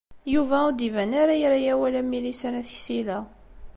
Yuba ur d-iban ara ira awal am Milisa n At Ksila.